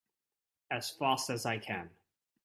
As fast as I can!